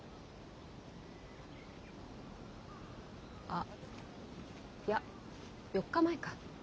あいや４日前か。